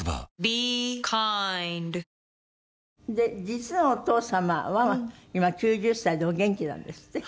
実のお父様は今９０歳でお元気なんですって？